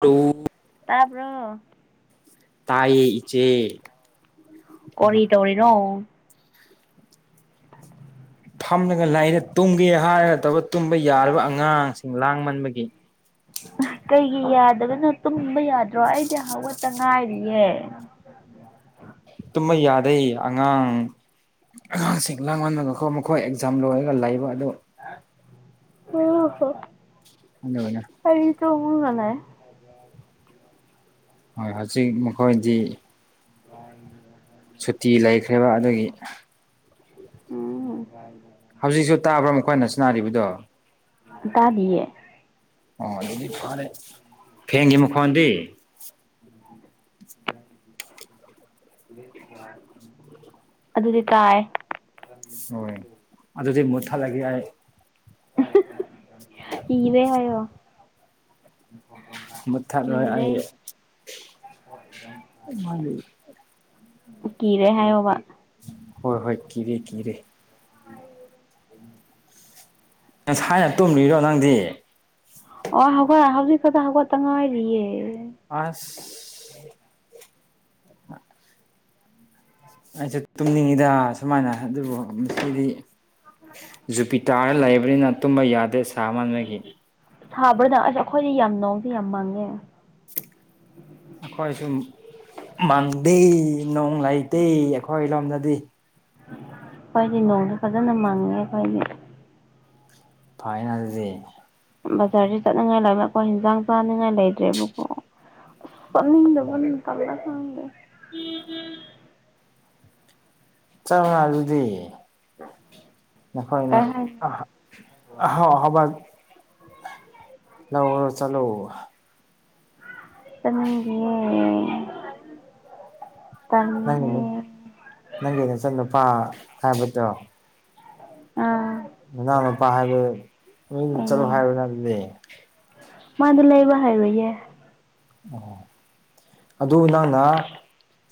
Hello ꯇꯥꯕꯔꯣ ꯇꯥꯏꯌꯦ ꯏꯆꯦ ꯀꯣꯔꯤ ꯇꯧꯔꯤꯔꯣ ꯐꯝꯂꯒ ꯂꯥꯏꯔꯤ ꯇꯨꯝꯒꯦ ꯍꯥꯏꯔꯒ ꯇꯨꯝꯕ ꯌꯥꯗꯕ ꯑꯉꯥꯡꯁꯤꯡ ꯂꯥꯡꯃꯟꯕꯒꯤ ꯀꯩꯒꯤ ꯌꯥꯗꯕꯅꯣ ꯇꯨꯝꯕ ꯌꯥꯗ꯭ꯔꯣ ꯑꯩꯗꯤ ꯍꯧꯒꯠꯇ ꯉꯥꯏꯔꯤꯌꯦ ꯇꯨꯝꯕ ꯌꯥꯗꯩ ꯑꯉꯥꯡ ꯑꯉꯥꯡꯁꯤꯡ ꯂꯥꯡꯃꯟꯕꯒꯀꯥ ꯃꯈꯣꯏ ꯑꯦꯛꯖꯥꯝ ꯂꯣꯏꯔꯒ ꯂꯩꯕ ꯑꯗꯨ [unintelligible] ꯅꯣꯏꯅ ꯑꯩ ꯇꯨꯝꯃꯒꯅꯦ [inaudible] ꯍꯣꯏ ꯍꯧꯖꯤꯛ ꯃꯈꯣꯏꯗꯤ [unintelligible] ꯁꯨꯇꯤ ꯂꯩꯈ꯭ꯔꯦꯕ ꯑꯗꯨꯒꯤ ꯎꯝ ꯍꯧꯖꯤꯛꯁꯨ ꯇꯥꯕ꯭ꯔꯥ ꯃꯈꯣꯏꯅ ꯁꯅꯥꯔꯤꯕꯗꯣ ꯇꯥꯗꯦꯌꯦ ꯑꯣ ꯑꯗꯨꯗꯤ ꯐꯔꯦ ꯐꯦꯡꯒꯤ ꯃꯈꯣꯟꯗꯤ [inaudible] ꯑꯗꯨꯗꯤ ꯇꯥꯏ ꯍꯣꯏ ꯑꯗꯨꯗꯤ ꯃꯨꯊꯥꯠꯂꯒꯦ ꯑꯩ ꯑꯍꯥꯍꯥ ꯀꯤꯔꯦ ꯍꯥꯏꯌꯣ ꯃꯨꯊꯠꯔꯣꯏ ꯀꯤꯔꯦ ꯑꯩ ꯀꯤꯔꯦ ꯍꯥꯏꯌꯣꯕ ꯍꯣꯏ ꯍꯣꯏ ꯀꯤꯔꯦ ꯀꯤꯔꯦ [inaudible] ꯉꯁꯥꯏꯅ ꯇꯨꯝꯂꯤꯔꯣ ꯅꯪꯗꯤ ꯑꯣ ꯍꯧꯒꯠ ꯍꯧꯖꯤꯛ ꯈꯛꯇ ꯍꯧꯒꯠꯇ ꯉꯥꯏꯔꯤꯌꯦ ꯑꯁ ꯑꯩꯁꯨ ꯇꯨꯝꯅꯤꯡꯉꯤꯗ ꯁꯨꯃꯥꯏꯅ ꯑꯗꯨꯕꯨ ꯃꯁꯤꯗꯤ ꯖꯨꯄꯤꯇꯥꯔ ꯂꯩꯕꯅꯤꯅ ꯇꯨꯝꯕ ꯌꯥꯗꯦ ꯁꯥꯃꯟꯕꯒꯤ ꯁꯥꯕ꯭ꯔ ꯗꯥ ꯑꯁ ꯑꯩꯈꯣꯏꯗꯤ ꯌꯥꯝ ꯅꯣꯡꯁꯦ ꯌꯥꯝ ꯃꯪꯉꯦ [unintelligible] ꯑꯩꯈꯣꯏꯁꯨꯝ ꯃꯥꯡꯗꯦ ꯅꯣꯡ ꯂꯩꯇꯦ ꯑꯩꯈꯣꯏ ꯂꯣꯝꯗꯗꯤ ꯑꯩꯈꯣꯏꯗꯤ ꯅꯣꯡꯖꯦ ꯐꯖꯅ ꯃꯥꯡꯉꯦ ꯑꯩꯈꯣꯏꯗꯤ ꯐꯥꯏꯅꯑꯗꯨꯗꯤ ꯕꯖꯥꯔꯗ ꯆꯠꯅꯤꯡꯉꯥꯏ ꯂꯩꯕꯀꯣ ꯍꯤꯟꯖꯥꯡ ꯆꯥꯅꯤꯡꯉꯥꯏ ꯂꯩꯇ꯭ꯔꯦꯕꯀꯣ ꯆꯠꯅꯤꯡꯗꯕꯅ ꯇꯜꯂꯦ ꯈꯪꯗꯦ ꯆꯪꯉꯛꯑꯗꯨꯗꯤ ꯅꯈꯣꯏꯅ ꯀꯩ ꯍꯥꯏꯅꯤ ꯑꯍꯥꯎ ꯑꯍꯥꯎꯕ ꯂꯧꯔꯣ ꯆꯠꯂꯣ ꯆꯅꯤꯡꯗꯤꯌꯦ ꯅꯪꯒꯤ ꯅꯪꯒꯤ ꯅꯆꯥ ꯅꯨꯨꯄꯥ ꯍꯥꯏꯕꯗꯣ ꯑꯥ ꯃꯅꯥꯎꯅꯨꯄꯥ ꯍꯥꯏꯕ ꯀꯩꯅꯣ ꯆꯠꯂꯣ ꯍꯥꯏꯔꯣꯅ ꯑꯗꯨꯗꯤ ꯃꯥꯗꯤ ꯂꯩꯕ ꯍꯩꯔꯣꯏꯌꯦ ꯑꯗꯨ ꯅꯪꯅ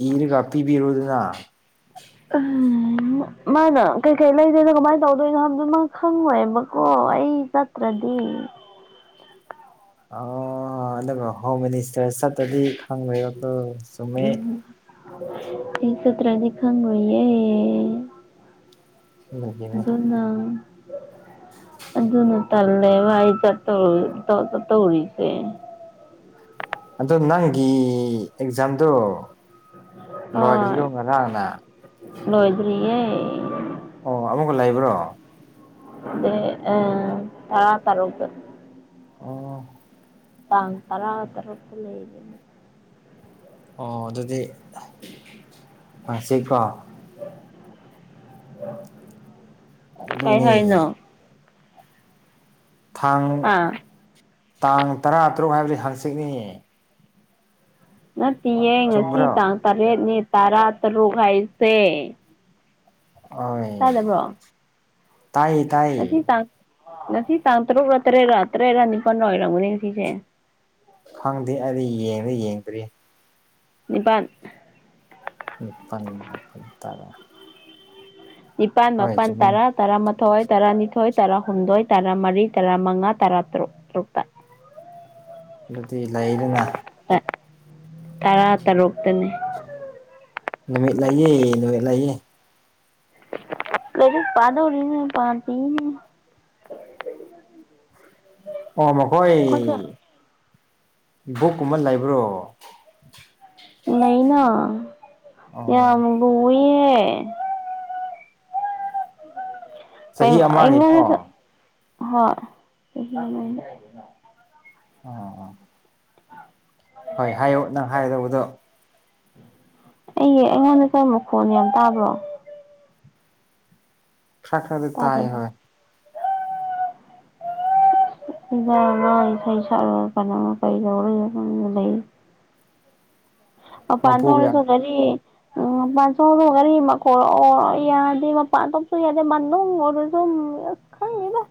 ꯏꯔꯒ ꯄꯤꯕꯤꯔꯣꯗꯅ ꯑꯥꯍꯝ ꯃꯥꯅ ꯀꯩꯀꯩ ꯂꯩꯔꯦꯔꯒ ꯀꯃꯥꯏ ꯇꯧꯗꯣꯏꯅꯣ ꯍꯥꯏꯕꯗꯨ ꯃꯥ ꯈꯪꯉꯣꯏꯕꯀꯣ ꯑꯩ ꯆꯠꯇ꯭ꯔꯗꯤ ꯑꯣ ꯑꯗꯨꯒ ꯍꯣꯝ ꯃꯤꯅꯤꯁꯇꯔ ꯆꯠꯇ꯭ꯔꯗꯤ ꯈꯪꯉꯣꯏꯕꯀꯣ ꯎꯝ ꯑꯩ ꯆꯇ꯭ꯔꯥꯗꯤ ꯈꯪꯔꯣꯏꯌꯦ ꯑꯗꯨꯒꯤꯅꯦ ꯑꯗꯨꯅ ꯑꯗꯨꯅ ꯇꯜꯂꯦꯕ ꯑꯩ ꯆꯠꯇꯧ ꯆꯠꯇꯧ ꯆꯠꯇꯧꯔꯤꯖꯦ꯫ ꯑꯗꯣ ꯅꯪꯒꯤ ꯑꯦꯛꯖꯥꯝꯗꯣ ꯑꯥ ꯂꯣꯏꯈ꯭ꯔꯤꯕꯣ ꯉꯔꯥꯡꯅ ꯂꯣꯏꯗ꯭ꯔꯤꯌꯦ꯫ ꯑꯣ ꯑꯃꯨꯛꯀ ꯂꯩꯕ꯭ꯔꯣ꯫ ꯗꯦ ꯑꯥ ꯇꯔꯥ ꯇꯔꯨꯛꯇ꯫ ꯑꯣ꯫ ꯇꯥꯡ ꯇꯔꯥ ꯇꯔꯨꯛꯇ ꯂꯩꯕꯅꯤ꯫ ꯑꯣ ꯑꯗꯨꯗꯤ ꯉꯁꯤꯀꯣ꯫ [unintelligible] ꯀꯩ ꯍꯥꯏꯅꯣ ꯑꯗꯨꯅꯦ꯫ ꯊꯥꯡ ꯑꯥ ꯇꯥꯡ ꯇꯔꯥꯇꯔꯨꯛ ꯍꯥꯏꯕꯗꯤ ꯍꯥꯡꯆꯤꯠꯅꯤ꯫ ꯅꯠꯇꯦꯌꯦ ꯉꯁꯤ ꯆꯨꯝꯕ꯭ꯔꯣ ꯇꯥꯡ ꯇꯔꯦꯠꯅꯦ ꯇꯔꯥꯇꯔꯨꯛ ꯍꯥꯏꯁꯦ꯫ ꯑꯣꯏ ꯇꯥꯗꯕ꯭ꯔꯣ ꯇꯥꯏꯌꯦ ꯇꯥꯏꯌꯦ꯫ ꯉꯁꯤ ꯇꯥꯡ ꯉꯁꯤ ꯇꯥꯡ ꯇꯔꯨꯛꯔꯥ ꯇꯔꯦꯠꯔꯥ ꯇꯔꯦꯠꯔꯥ ꯅꯤꯄꯥꯜꯔꯥ ꯑꯣꯏꯔꯝꯒꯅꯤ ꯉꯁꯤꯁꯦ꯫ ꯈꯪꯗꯦ ꯑꯩꯗꯤ ꯌꯦꯡꯗ ꯌꯦꯡꯗ꯭ꯔꯤ꯫ ꯅꯤꯄꯥꯟ꯫ ꯅꯤꯄꯥꯜ ꯃꯥꯄꯜ ꯇꯔꯥ꯫ ꯅꯤꯄꯥꯜ ꯍꯣꯏ ꯃꯥꯄꯜ ꯆꯨꯝꯃꯤ ꯇꯔꯥ꯫ ꯇꯔꯥꯃꯊꯣꯏ ꯇꯔꯥꯅꯤꯊꯣꯏ ꯇꯔꯥꯍꯨꯝꯗꯣꯏ ꯇꯔꯥꯃꯔꯤ ꯇꯔꯥꯃꯉꯥ ꯇꯔꯥ ꯇꯔꯨꯛ ꯇꯔꯨꯛꯇ꯫ ꯑꯗꯨꯗꯤ ꯂꯩꯗꯅ꯫ ꯇ ꯇꯔꯥ ꯇꯔꯨꯛꯇꯅꯦ꯫ ꯅꯨꯃꯤꯠ ꯂꯩꯌꯦ ꯅꯨꯃꯤꯠ ꯂꯩꯥꯌꯦ꯫ ꯂꯩꯔꯤꯛ ꯄꯥꯗꯣꯔꯤꯅꯦ ꯄꯥꯗꯦꯅꯦ꯫ [inaudible] ꯑꯣ ꯃꯈꯣꯏ ꯕꯨꯛꯀꯨꯝꯕ ꯂꯩꯕ꯭ꯔꯣ꯫ ꯂꯩꯅ ꯌꯥꯝ ꯑꯣ ꯂꯨꯏꯌꯦ꯫ ꯆꯍꯤ ꯑꯃꯒꯤꯀꯣ [inaudible] ꯍꯣꯏ꯫ [unintelligible] ꯑꯣ꯫ ꯍꯣꯏ ꯍꯥꯏꯌꯣ ꯅꯪ ꯍꯥꯏꯒꯗꯧꯕꯗꯣ꯫ ꯑꯩ ꯑꯩꯉꯣꯟꯗꯁꯨ ꯃꯈꯣꯟ ꯌꯥꯝ ꯇꯥꯕ꯭ꯔꯣ꯫ ꯈꯔ ꯈꯔꯗꯤ ꯇꯥꯏ ꯇꯥꯗꯕ꯫ [unintelligible] ꯍꯣꯏ [unintelligible] ꯁꯤꯗ ꯑꯉꯥꯡ ꯏꯁꯩ ꯁꯛꯑꯥ ꯀꯩꯗꯧꯔ [unintelligible] ꯂꯩ꯫ ꯃꯄꯥꯟ ꯃꯄꯨꯒꯤ ꯊꯣꯛꯔꯁꯨ ꯒꯥꯔꯤ ꯎꯝ ꯃꯄꯥꯟ ꯆꯣꯔꯣ ꯒꯥꯔꯤ ꯃꯈꯣꯟꯔꯣ ꯌꯥꯗꯦ ꯃꯄꯥꯟ ꯊꯣꯛꯞꯁꯨ ꯌꯥꯗꯦ ꯃꯅꯨ ꯑꯣꯏꯔꯁꯨ ꯑꯁ ꯈꯪꯗꯦꯗ꯫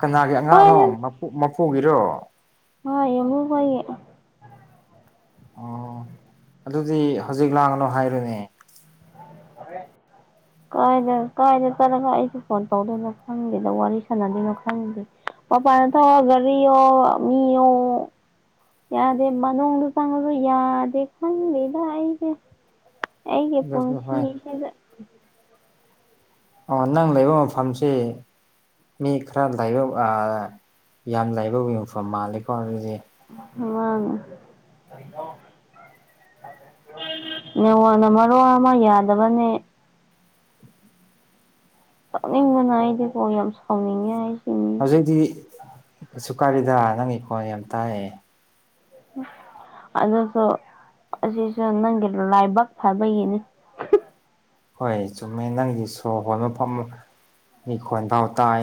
ꯀꯅꯥꯒꯤ ꯑꯉꯥꯡꯅꯣ ꯀꯥꯏꯗꯒꯤ ꯃꯄꯨ ꯃꯄꯨꯒꯤꯔꯣ꯫ ꯍꯣꯏ ꯌꯥꯝꯕꯨ ꯈꯣꯏꯒꯤ꯫ ꯑꯣ ꯑꯗꯨꯗꯤ ꯍꯧꯖꯤꯛ ꯂꯥꯡꯉꯅꯨ ꯍꯥꯏꯔꯨꯅꯦ꯫ [inaudible] ꯀꯥꯏꯗ ꯀꯥꯏꯗ ꯆꯠꯂꯒ ꯑꯩꯁꯨ ꯐꯣꯟ ꯇꯧꯗꯣꯏꯅꯣ ꯈꯪꯗꯦꯗ ꯋꯥꯔꯤ ꯁꯥꯟꯅꯗꯣꯏꯅꯣ ꯈꯪꯗꯦ꯫ ꯃꯄꯥꯟꯗ ꯊꯣꯛꯑꯒ ꯒꯥꯔꯤꯌꯣ ꯃꯤꯌꯣ꯫ ꯌꯥꯗꯦ ꯃꯅꯨꯡꯗ ꯆꯪꯉꯖꯨ ꯌꯥꯗꯦ ꯈꯪꯗꯦꯗ ꯑꯩꯖꯦ꯫ ꯑꯩꯒꯤ ꯑꯗꯨꯁꯨ ꯍꯣꯏ ꯄꯨꯟꯁꯤꯁꯤꯗ ꯑꯣ ꯅꯪ ꯂꯩꯕ ꯃꯐꯝꯁꯦ ꯃꯤ ꯈꯔ ꯂꯩꯕ ꯑꯥ ꯌꯥꯝ ꯂꯩꯕꯕꯤ ꯃꯐꯝ ꯃꯥꯜꯂꯦꯀꯣ ꯑꯗꯨꯗꯤ꯫ [inaudible] [unintelligible] ꯅꯦꯋꯥꯛꯅ ꯃꯔꯣꯟ ꯑꯃ ꯌꯥꯗꯕꯅꯦ ꯁꯥꯎꯅꯤꯡꯕꯅ ꯑꯩꯗꯤꯀꯣ ꯌꯥꯝ ꯁꯥꯎꯅꯤꯡꯉꯦ ꯍꯥꯏꯁꯤꯅꯤ ꯗꯣꯏꯗꯤ ꯀꯩꯁꯨ ꯀꯥꯏꯔꯣꯏꯗꯥ ꯅꯪꯒꯤ ꯈꯣꯟ ꯌꯥꯝ ꯇꯥꯏꯌꯦ ꯑꯗꯨꯁꯨ ꯑꯁꯤꯁꯨ ꯅꯪꯒꯤ ꯂꯥꯏꯕꯛ ꯐꯕꯒꯤꯅꯤ ꯍꯣꯏ ꯆꯨꯝꯃꯦ ꯅꯪꯒꯤ ꯁꯣꯔ ꯍꯣꯟꯕꯐꯥꯎ ꯃꯤ ꯈꯣꯟꯗꯣ ꯇꯥꯏ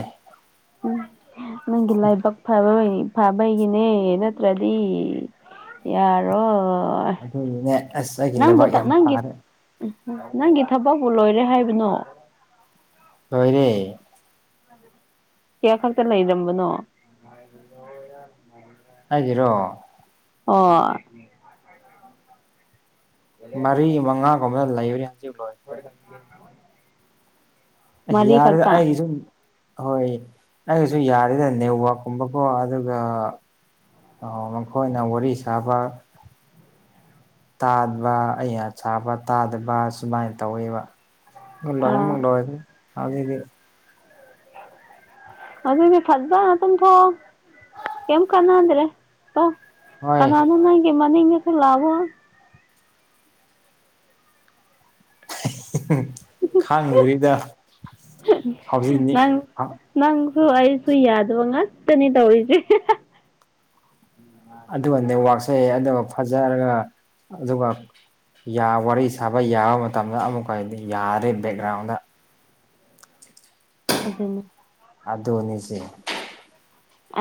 ꯎꯝ ꯅꯪꯒꯤ ꯂꯥꯏꯕꯛ ꯐꯔꯣꯏꯌꯦ ꯐꯥꯕꯩꯒꯤꯅꯦ ꯅꯠꯇ꯭ꯔꯗꯤ ꯌꯥꯔꯣꯏ ꯑꯗꯨꯒꯤꯅꯦ ꯑꯁ ꯑꯩꯒꯤ ꯂꯩꯕꯥꯛ ꯌꯥꯝ ꯐꯥꯔꯦ ꯑꯍꯨꯝ ꯅꯪꯒꯤ ꯊꯕꯛꯄꯨ ꯂꯣꯏꯔꯦ ꯍꯥꯏꯕꯅꯣ ꯂꯣꯏꯔꯦ ꯀ꯭ꯌꯥ ꯈꯛꯇ ꯂꯩꯔꯝꯕꯅꯣ [inaudible] ꯑꯩꯒꯤꯔꯣ ꯑꯣ ꯃꯔꯤ ꯃꯉꯥꯒꯨꯝꯕꯗ ꯂꯩꯕꯔ [inaudible] ꯑꯦꯍ ꯃꯔꯤ ꯌꯥꯔꯦꯗ ꯈꯛꯇ ꯑꯩꯒꯤ ꯖꯨꯝ ꯍꯣꯏ ꯑꯩꯒꯤꯁꯨ ꯌꯥꯗꯦꯗ ꯅꯦꯠꯋꯥꯛꯀꯨꯝꯕꯀꯣ ꯑꯗꯨꯒ ꯑꯣ ꯃꯈꯣꯏꯅ ꯋꯥꯔꯤ ꯁꯥꯕ ꯇꯥꯠꯕ ꯑꯩ ꯑꯌꯥꯁꯥꯕ ꯇꯥꯗꯕ ꯁꯨꯃꯥꯏꯟ ꯇꯧꯋꯦꯕ ꯅꯣꯏꯃꯛ ꯑꯣ ꯅꯣꯏꯒꯅꯤ ꯍꯧꯖꯤꯛꯇꯤ ꯑꯗꯨꯗꯤ ꯐꯖꯅ ꯇꯨꯝꯊꯣꯛꯑꯣ ꯀꯦꯝ ꯀꯥꯟꯅꯗ꯭ꯔꯦ ꯑꯣ ꯍꯣꯏ ꯀꯅꯥꯅꯣ ꯅꯣꯏꯒꯤ ꯃꯅꯤꯡꯗꯁꯨ ꯂꯥꯎꯑꯣ ꯈꯪꯗ꯭ꯔꯤꯗ ꯍꯧꯖꯤꯛꯅꯤ ꯅꯪ ꯍꯧ ꯅꯪꯁꯨ ꯑꯩꯁꯨ ꯌꯥꯗꯕ ꯉꯥꯛꯇꯅꯤ ꯇꯧꯔꯤꯁꯦ ꯑꯗꯨꯒ ꯅꯦꯠꯋꯥꯛꯁꯦ ꯑꯗꯨꯒ ꯐꯖꯔꯒ ꯑꯗꯨꯒ ꯌꯥ ꯋꯥꯔꯤ ꯁꯥꯕ ꯌꯥꯕ ꯃꯇꯝꯗ ꯑꯃꯨꯛꯀꯗꯤ ꯌꯥꯗꯦ ꯕꯦꯛꯒ꯭ꯔꯥꯎꯟꯗ ꯑꯗꯨꯅꯤ ꯑꯗꯨꯅꯤꯁꯦ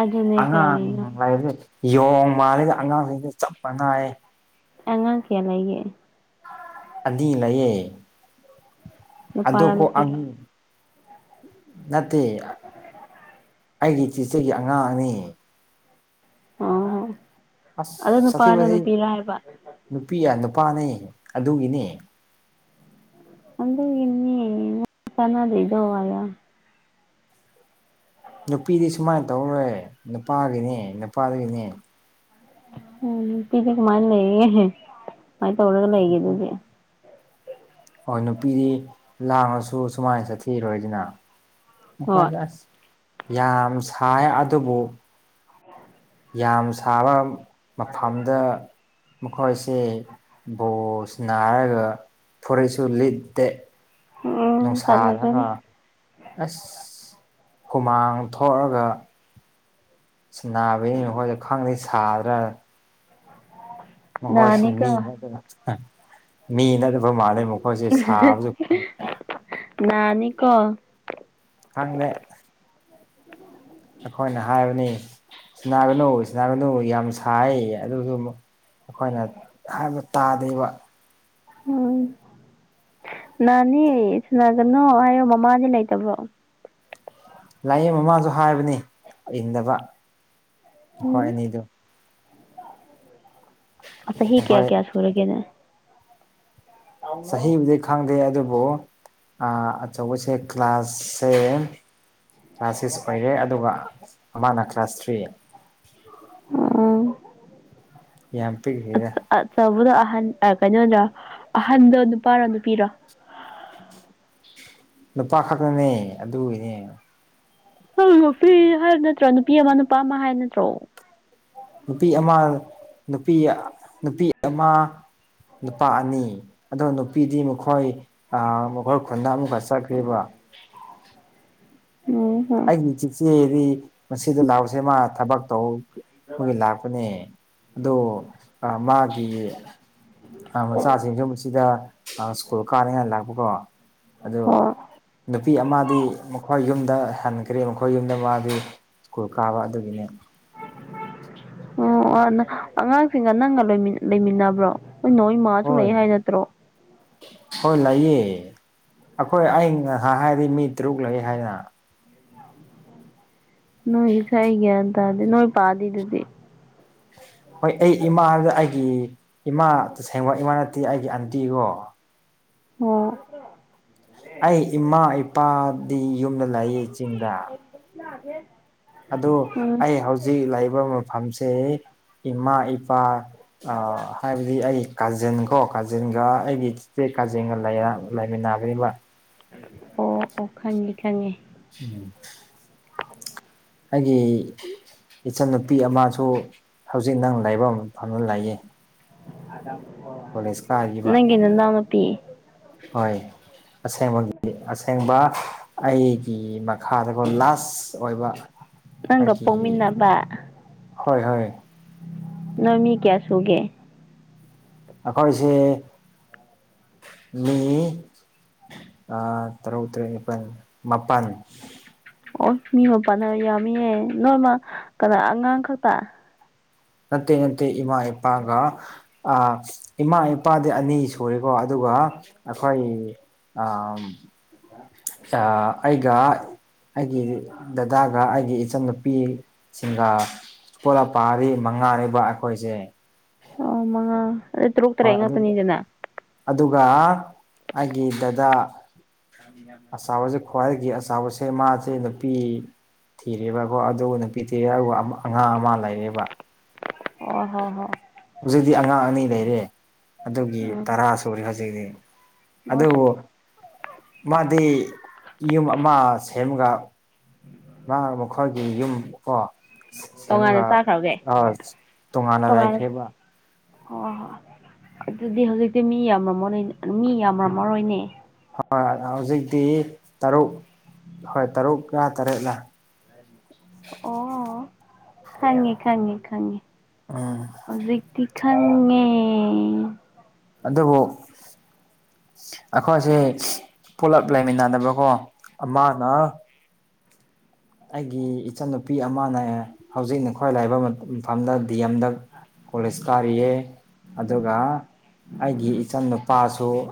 ꯑꯗꯨꯅꯦ ꯑꯉꯥꯡ ꯀꯔꯤꯅꯣ ꯂꯥꯏꯔꯗꯤ ꯌꯣꯡ ꯃꯥꯜꯂꯒ ꯑꯉꯥꯡꯉꯩꯖꯦ ꯆꯞ ꯃꯥꯟꯅꯥꯏꯌꯦ ꯑꯉꯥꯡ ꯀ꯭ꯌꯥ ꯂꯩꯒꯦ ꯑꯅꯤ ꯂꯩꯌꯦ ꯑꯗꯨ ꯅꯨꯄꯥꯔ ꯀꯣ ꯑꯪ ꯅꯨꯄꯤꯔ ꯅꯠꯇꯦ ꯑꯩꯒꯤ ꯆꯤꯆꯦꯒꯤ ꯑꯉꯥꯡꯅꯦ ꯑꯣ ꯑꯗꯣ ꯅꯨꯄꯥꯔ ꯅꯨꯄꯤꯔ ꯍꯥꯏꯕ ꯅꯨꯄꯤꯌꯥ ꯅꯨꯄꯥꯅꯦ ꯑꯗꯨꯒꯤꯅꯦ ꯑꯗꯨꯒꯤꯅꯦ ꯇꯥꯅꯗ꯭ꯔꯤꯗꯣ ꯍꯥꯏꯌꯣ ꯅꯨꯄꯤꯗꯤ ꯁꯨꯃꯥꯏꯟ ꯇꯧꯔꯣꯏ ꯅꯨꯄꯥꯒꯤꯅꯦ ꯅꯨꯄꯥꯗꯨꯒꯤꯅꯦ ꯎꯝ ꯅꯨꯄꯤꯗꯤ ꯀꯃꯥꯏꯟ ꯂꯩꯉꯦꯍꯦ ꯀꯃꯥꯏ ꯇꯧꯔꯒ ꯂꯩꯒꯦ ꯑꯗꯨꯗꯤ ꯑꯣ ꯅꯨꯄꯤꯗꯤ ꯂꯥꯡꯉꯁꯨ ꯁꯨꯃꯥꯏꯟ ꯆꯠꯊꯤꯔꯣꯏꯗꯅ ꯍꯣꯏ ꯃꯈꯣꯏꯗ ꯑꯁ ꯌꯥꯝ ꯁꯥꯏꯑꯦ ꯑꯗꯨꯕꯨ ꯌꯥꯝ ꯁꯥꯕ ꯃꯐꯝꯗ ꯃꯈꯣꯏꯁꯦ ꯕꯣꯜ ꯁꯅꯥꯔꯒ ꯐꯨꯔꯤꯠꯁꯨ ꯂꯤꯠꯇꯦ ꯎꯝ ꯅꯨꯡꯁꯥꯗꯒ ꯐꯖꯒꯅꯤ ꯑꯁ ꯍꯨꯃꯥꯡ ꯊꯣꯛꯑꯒ ꯁꯅꯥꯕꯩꯔ ꯑꯩꯈꯣꯏꯗꯤ ꯈꯪꯗꯦ ꯁꯥꯗ꯭ꯔꯥ ꯃꯈꯣꯏꯁꯤ ꯃꯤ ꯅꯥꯅꯤꯀꯣ ꯅ [unintelligible] ꯃꯤ ꯅꯠꯇꯕ ꯃꯥꯂꯦ ꯑꯃꯨꯛ ꯃꯈꯣꯏꯁꯦ ꯁꯥꯕꯁꯨ ꯈꯪꯗꯦ ꯅꯥꯅꯤ ꯀꯣ ꯈꯪꯗꯦ ꯑꯩꯈꯣꯏꯅ ꯍꯥꯏꯕꯅꯤ ꯁꯤꯅꯥꯒꯅꯨ ꯁꯤꯅꯥꯒꯅꯨ ꯌꯥꯝ ꯁꯥꯏ ꯑꯗꯨꯁꯨ ꯑꯈꯣꯏꯅ ꯍꯥꯏꯕ ꯇꯥꯗꯦꯕ ꯎꯝ ꯅꯥꯅꯤ ꯁꯥꯅꯥꯒꯅꯣ ꯍꯥꯏꯌꯣ ꯃꯃꯥꯗꯤ ꯂꯩꯇꯕ꯭ꯔꯣ ꯂꯥꯏꯌꯦ ꯃꯃꯥꯡꯖꯨ ꯍꯥꯏꯕꯅꯦ ꯏꯟꯗꯕ ꯃꯈꯣꯏ ꯎꯝ ꯑꯅꯤꯗꯨ ꯆꯍꯤ ꯀꯌꯥ ꯃꯈꯣꯏ ꯀꯌꯥ ꯁꯨꯔꯒꯦꯅꯦ ꯆꯍꯤꯕꯨꯗꯤ ꯈꯪꯗꯦ ꯑꯗꯨꯕꯨ ꯑꯆꯧꯕꯁꯦ ꯀ꯭ꯂꯥꯁꯁꯦ ꯀ꯭ꯂꯥꯁ ꯁꯤꯛꯁ ꯑꯣꯏꯔꯦ ꯑꯗꯨꯒ ꯑꯃꯅ ꯀ꯭ꯂꯥꯁ ꯊ꯭ꯔꯤ ꯑꯝ ꯌꯥꯝ ꯄꯤꯛꯂꯤꯗ ꯑꯆꯧꯕꯗꯣ ꯑꯍꯟ ꯑ ꯀꯩꯅꯣꯗꯣ ꯑꯍꯟꯗꯣ ꯅꯨꯄꯥꯔꯣ ꯅꯨꯄꯤꯔꯣ ꯅꯨꯄꯥ ꯈꯛꯇꯅꯦ ꯑꯗꯨꯒꯤꯅꯦ ꯅꯨꯄꯤ ꯍꯥꯏ ꯅꯠꯇ꯭ꯔꯣ ꯅꯨꯄꯤ ꯑꯃ ꯅꯨꯄꯥ ꯑꯃ ꯍꯥꯏꯕ ꯅꯠꯇ꯭ꯔꯣ ꯅꯨꯄꯤ ꯑꯃ ꯅꯨꯄꯤ ꯅꯨꯄꯤ ꯑꯃ ꯅꯨꯄꯥ ꯑꯅꯤ ꯑꯗꯣ ꯅꯨꯄꯤꯗꯤ ꯃꯈꯣꯏ ꯃꯈꯣꯏ ꯈꯨꯟꯗ ꯑꯃꯨꯛꯀ ꯆꯠꯈ꯭ꯔꯤꯕ ꯎꯝ ꯍꯣꯢ ꯑꯩꯅꯥ ꯏꯆꯤꯛ ꯆꯤꯛꯑꯦꯗꯤ ꯃꯁꯤꯗ ꯂꯥꯛꯕꯖꯦ ꯃꯥ ꯊꯕꯛ ꯇꯧ ꯇꯧꯕꯒꯤ ꯂꯥꯛꯄꯅꯦ ꯑꯗꯣ ꯑꯥ ꯃꯥꯒꯤ ꯃꯆꯥꯁꯤꯡꯖꯨ ꯑꯁꯤꯗ ꯁ꯭ꯀꯨꯜ ꯀꯥꯅꯤꯡꯉꯥꯏ ꯂꯥꯛꯄꯀꯣ ꯑꯗꯨ ꯑꯣ ꯅꯨꯄꯤ ꯑꯃꯗꯤ ꯃꯈꯣꯏ ꯌꯨꯝꯗ ꯍꯥꯟꯈ꯭ꯔꯦ ꯃꯈꯣꯏ ꯌꯨꯝꯗ ꯃꯥꯗꯤ ꯁ꯭ꯀꯨꯜ ꯀꯥꯕ ꯑꯗꯨꯒꯤꯅꯦ ꯑꯣ ꯑꯉꯥꯡꯁꯤꯡꯒ ꯅꯪꯒ ꯂꯩꯃꯤꯟꯅꯕ꯭ꯔꯣ ꯅꯣꯏ ꯃꯥꯁꯨ ꯂꯩ ꯍꯣꯏ ꯍꯥꯏ ꯅꯠꯇ꯭ꯔꯣ ꯍꯣꯏ ꯂꯩꯌꯦ ꯑꯩꯈꯣꯏ ꯑꯩꯅ ꯅꯍꯥꯟ ꯍꯥꯏꯗꯤ ꯃꯤ ꯇꯔꯨꯛ ꯂꯩ ꯍꯥꯏꯅ ꯅꯣꯏꯒꯤꯁꯦ ꯑꯩ ꯒ꯭ꯌꯥꯟ ꯇꯥꯗꯦ ꯅꯣꯏ ꯄꯥꯗꯤ ꯑꯗꯨꯗꯤ ꯍꯣꯏ ꯑꯩ ꯏꯃꯥ ꯍꯥꯏꯗꯣ ꯑꯩꯒꯤ ꯏꯃꯥ ꯇꯁꯦꯡꯕ ꯏꯃꯥ ꯅꯠꯇꯦ ꯑꯩꯒꯤ ꯑꯟꯇꯤꯀꯣ ꯑꯣ ꯑꯩ ꯏꯃꯥ ꯏꯄꯥꯗꯤ ꯌꯨꯝꯗ ꯂꯩ ꯆꯤꯡꯗ ꯑꯩꯁꯨ ꯂꯥꯛꯑꯒꯦ ꯑꯗꯨ ꯑꯩ ꯍꯧꯖꯤꯛ ꯂꯩꯕ ꯃꯐꯝꯁꯦ ꯏꯃꯥ ꯏꯄꯥ ꯑꯥ ꯍꯥꯏꯕꯗꯤ ꯑꯩ ꯀꯥꯖꯤꯟꯀꯣ ꯀꯥꯖꯤꯟꯒ ꯑꯩꯒꯤ ꯆꯤꯆꯦ ꯀꯥꯖꯤꯟꯒ ꯂꯩꯔꯦ ꯂꯩꯥꯃꯤꯟ ꯅꯥꯕꯅꯦꯕ ꯑꯣ ꯑꯣ ꯈꯪꯉꯦ ꯈꯪꯉꯦ ꯎꯝ [inaudible] [inaudible] ꯑꯩꯒꯤ ꯏꯆꯥꯟꯅꯨꯄꯤ ꯑꯃꯁꯨ ꯍꯧꯖꯤꯛ ꯅꯪꯅ ꯂꯩꯕ ꯃꯐꯝꯗ ꯂꯩꯌꯦ ꯀꯣꯂꯦꯖ ꯀꯥꯈꯤꯕ ꯅꯪꯒꯤ ꯅꯅꯥꯎꯅꯨꯄꯤ ꯍꯣꯏ ꯑꯁꯦꯡꯕꯒꯤꯗꯤ ꯑꯁꯦꯡ ꯑꯁꯦꯡꯕ ꯑꯩꯒꯤ ꯃꯈꯥꯗꯀꯣ ꯂꯥꯁ ꯑꯣꯏꯕ ꯅꯪꯒ ꯕꯒꯤ ꯄꯣꯛꯃꯤꯟꯅꯕ ꯍꯣꯏ ꯍꯣꯏ ꯅꯣꯏ ꯃꯤ ꯀꯌꯥ ꯁꯨꯒꯦ ꯑꯩꯈꯣꯏꯁꯦ ꯃꯤ ꯑꯥ ꯇꯔꯨꯛ ꯇꯔꯦꯠ ꯅꯤꯄꯜ ꯃꯥꯄꯟ ꯑꯣ ꯃꯤ ꯃꯥꯄꯟꯅ ꯌꯥꯝꯃꯤꯌꯦ ꯅꯣꯏꯃꯥ ꯀꯅꯥ ꯑꯉꯥꯡ ꯈꯛꯇ ꯅꯠꯇꯦ ꯅꯠꯇꯦ ꯏꯃꯥ ꯏꯄꯥꯒ ꯑꯥ ꯏꯃꯥ ꯏꯄꯥꯗꯤ ꯑꯅꯤ ꯁꯨꯔꯦꯀꯣ ꯑꯗꯨꯒ ꯑꯩꯈꯣꯏ ꯑꯥ ꯑꯝ [inaudible] ꯌꯥ ꯑꯩꯒ ꯑꯩꯒꯤ ꯗꯗꯥꯒ ꯑꯩꯒꯤ ꯏꯆꯥꯟꯅꯨꯄꯤꯁꯤꯡꯒ ꯄꯨꯂꯥꯞ ꯄꯔꯤ ꯃꯉꯥꯅꯤꯕ ꯑꯩꯈꯣꯏꯁꯦ ꯑꯣ ꯃꯉꯥ ꯑꯗꯨ ꯇꯔꯨꯛ ꯍꯣꯏ ꯇꯔꯦꯠ ꯑꯗꯨ ꯉꯥꯛꯇꯅꯤꯗꯅ ꯑꯗꯨꯒ ꯑꯩꯒꯤ ꯗꯥꯗꯥ ꯑꯆꯥꯎꯕꯖꯦ ꯈ꯭ꯋꯥꯏꯒꯤ ꯑꯆꯥꯎꯕꯁꯦ ꯃꯥꯁꯦ ꯅꯨꯄꯤ ꯊꯤꯔꯦꯕꯀꯣ ꯑꯗꯨ ꯅꯨꯄꯤ ꯊꯤꯔꯦ ꯑꯗꯨꯒ ꯑꯉꯥꯡ ꯑꯃ ꯂꯩꯔꯦꯕ ꯑꯣ ꯍꯣ ꯍꯣ ꯍꯧꯖꯤꯛꯇꯤ ꯑꯉꯥꯡ ꯑꯅꯤ ꯂꯩꯔꯦ ꯑꯗꯨꯒꯤ ꯎꯝ ꯇꯔꯥ ꯁꯨꯍꯟꯈꯖꯦꯔꯦ ꯑꯗꯨ ꯑꯁ ꯃꯥꯗꯤ ꯌꯨꯝ ꯑꯃ ꯁꯦꯝꯃꯥꯒ ꯃꯥ ꯃꯈꯣꯏꯒꯤ ꯌꯨꯝ ꯀꯣ ꯇꯣꯉꯥꯟꯅ ꯁꯦꯝꯃꯒ ꯆꯥꯈ꯭ꯔꯒꯦ ꯑꯥ ꯇꯣꯉꯥꯟꯅ ꯂꯩꯈ꯭ꯔꯦꯕ ꯑꯣꯍꯣ ꯑꯗꯨꯗꯤ ꯍꯧꯖꯤꯛꯇꯤ ꯃꯤ ꯌꯥꯝꯔꯝꯃꯔꯣ ꯃꯤ ꯌꯥꯝꯔꯝꯃꯔꯣꯏꯅꯦ ꯍꯣ ꯍꯣꯏ ꯍꯧꯖꯤꯛꯇꯤ ꯇꯔꯨꯛ ꯍꯣꯏ ꯇꯔꯨꯛꯂ ꯇꯔꯦꯠꯂ ꯑꯣ ꯈꯪꯉꯦ ꯈꯪꯉꯦ ꯈꯪꯉꯦ ꯎꯝ ꯍꯧꯖꯤꯛꯇꯤ ꯈꯪꯉꯦ ꯑꯗꯨꯕꯨ ꯑꯈꯣꯏꯁꯦ ꯄꯨꯂꯞ ꯂꯩꯃꯤꯟꯅꯗꯕꯀꯣ ꯑꯃꯅ ꯑꯩꯒꯤ ꯏꯆꯟꯅꯨꯄꯤ ꯑꯃꯅꯦ ꯍꯧꯖꯤꯛꯅ ꯈ꯭ꯋꯥꯏ ꯂꯥꯏꯕ ꯑꯃ ꯏꯝꯐꯥꯜꯗ ꯗꯤ ꯑꯦꯝꯗ ꯀꯣꯂꯦꯁ ꯀꯥꯔꯤꯌꯦ ꯑꯗꯨꯒ ꯑꯩꯒꯤ ꯏꯆꯟ ꯅꯨꯄꯥꯁꯨ